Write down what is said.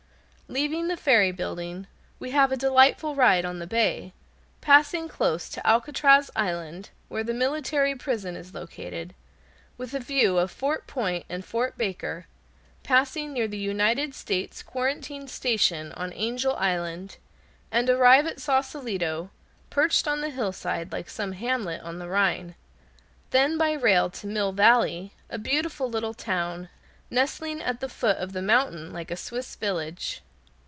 Leaving the ferry building, we have a delightful ride on the bay, passing close to Alcatraz Island, where the military prison is located, with a view of Fort Point and Fort Baker, passing near the United States Quarantine Station on Angel Island, and arrive at Sausalito, perched on the hillside like some hamlet on the Rhine; then by rail to Mill Valley, a beautiful little town nestling at the foot of the mountain like a Swiss village.